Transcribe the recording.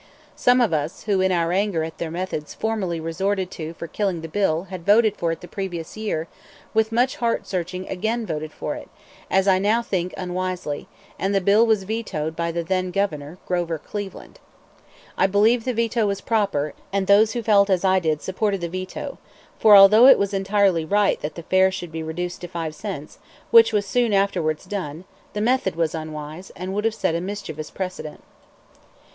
Some of us, who in our anger at the methods formerly resorted to for killing the bill had voted for it the previous year, with much heart searching again voted for it, as I now think unwisely; and the bill was vetoed by the then Governor, Grover Cleveland. I believe the veto was proper, and those who felt as I did supported the veto; for although it was entirely right that the fare should be reduced to five cents, which was soon afterwards done, the method was unwise, and would have set a mischievous precedent.